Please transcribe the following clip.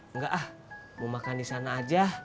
enggak ah mau makan di sana aja